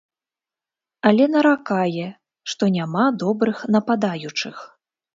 Але наракае, што няма добрых нападаючых.